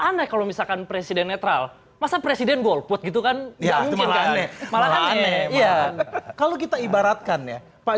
aneh kalau misalkan presiden netral masa presiden golput gitu kan ya kalau kita ibaratkan ya pak